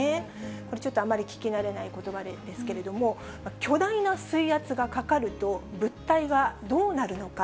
これちょっとあんまり聞き慣れないことばですけれども、巨大な水圧がかかると、物体はどうなるのか。